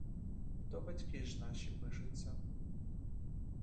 То батьки ж наші пишуться.